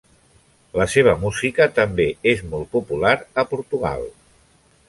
La seva música també és molt popular al Portugal.